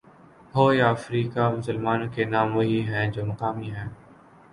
ہو یا افریقہ مسلمانوں کے نام وہی ہیں جو مقامی ہیں۔